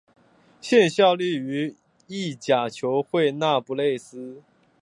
现效力于意甲球会那不勒斯。